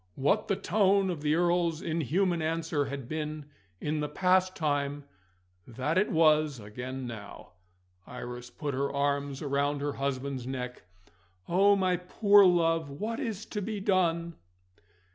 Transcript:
What the tone of the Earl's inhuman answer had been in the past time, that it was again now. Iris put her arms round her husband's neck. "Oh, my poor love, what is to be done?"